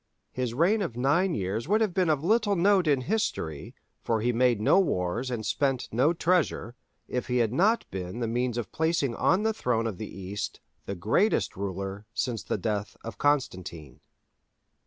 His reign of nine years would have been of little note in history—for he made no wars and spent no treasure—if he had not been the means of placing on the throne of the East the greatest ruler since the death of Constantine.